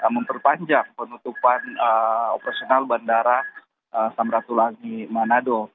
memperpanjang penutupan operasional bandara samratulangi manado